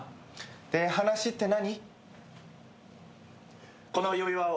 で、話って何？